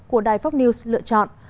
của đài fox news lựa chọn